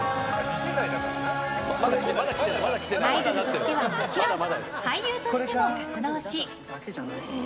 アイドルとしてはもちろん俳優としても活動し。